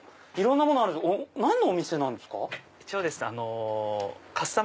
いろんなものあるんですね何のお店なんですか？